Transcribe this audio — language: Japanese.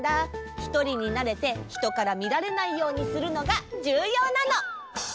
ひとりになれてひとからみられないようにするのがじゅうようなの！